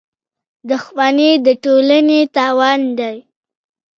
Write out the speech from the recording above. • دښمني د ټولنې تاوان دی.